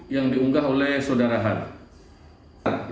yang diunggah oleh saudara har